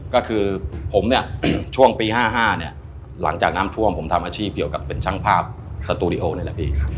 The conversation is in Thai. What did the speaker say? ก็คือผมเนี่ยช่วงปี๕๕เนี่ยหลังจากน้ำท่วมผมทำอาชีพเกี่ยวกับเป็นช่างภาพสตูดิโอนี่แหละพี่